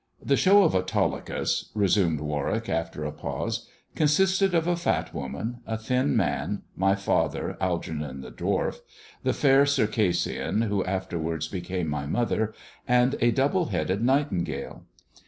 The show of Autolycus," resumed Warwick, after a pause, " consisted of a fat woman, a thin man, my father Algernon the dwarf, the Fair Circassian who afterwards became my mother, and a double headed nightingale.